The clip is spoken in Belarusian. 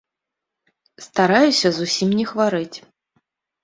Стараюся зусім не хварэць.